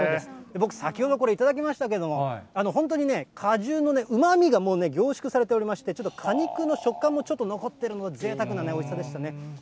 僕、先ほどこれ、頂きましたけれども、本当にね、果汁のうまみがもう凝縮されておりまして、ちょっと果肉の食感も残ってるような、ぜいたくなおいしさでしたね。